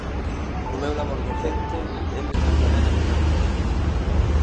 No meu labor docente eles son tamén a miña referencia.